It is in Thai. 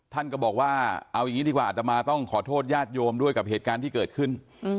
ท่านก็บอกว่าเอาอย่างนี้ดีกว่าอัตมาต้องขอโทษญาติโยมด้วยกับเหตุการณ์ที่เกิดขึ้น